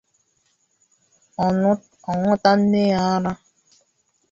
ọñụta nne ya ara.